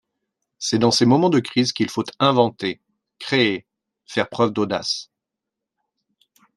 C’est dans ces moments de crise qu’il faut inventer, créer, faire preuve d’audace.